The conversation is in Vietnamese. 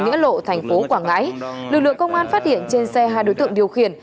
nghĩa lộ thành phố quảng ngãi lực lượng công an phát hiện trên xe hai đối tượng điều khiển